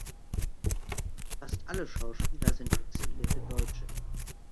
Fast alle Schauspieler sind exilierte Deutsche.